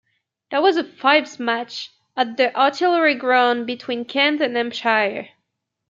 There was a fives match at the Artillery Ground between Kent and Hampshire.